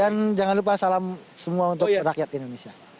dan jangan lupa salam semua untuk rakyat indonesia